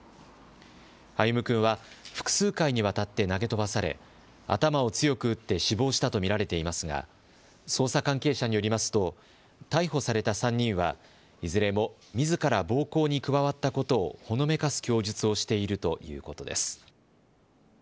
歩夢君は複数回にわたって投げ飛ばされ、頭を強く打って死亡したと見られていますが捜査関係者によりますと逮捕された３人はいずれもみずから暴行に加わったことをほのめかす供述をしているということです。